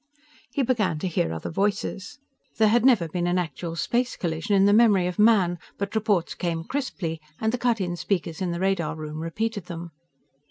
He began to hear other voices. There had never been an actual space collision in the memory of man, but reports came crisply, and the cut in speakers in the radar room repeated them.